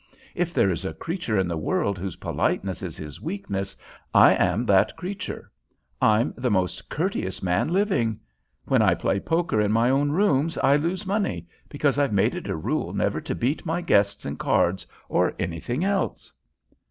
If there is a creature in the world whose politeness is his weakness, I am that creature. I'm the most courteous man living. When I play poker in my own rooms I lose money, because I've made it a rule never to beat my guests in cards or anything else."